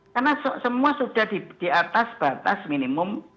karena semua sudah di atas batas minimum